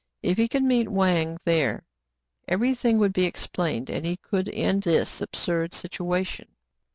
If he could meet Wang there, every thing would be explained, and he could end this absurd situa tion.